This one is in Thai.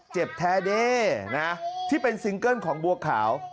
แท้เด้นะที่เป็นซิงเกิ้ลของบัวขาว